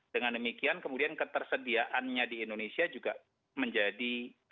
dengan demikian kemudian ketersediaannya di indonesia juga menjadi